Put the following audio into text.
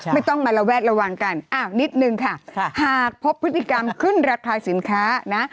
ไม่ต้องมาระแวดระวังกันอ้าวนิดนึงค่ะหากพบพฤติกรรมขึ้นราคาสินค้านะ